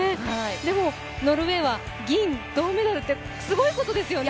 でも、ノルウェーは銀、銅メダルってすごいことですよね。